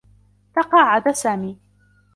تقاعد سامي.